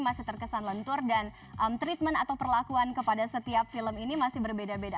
masih terkesan lentur dan treatment atau perlakuan kepada setiap film ini masih berbeda beda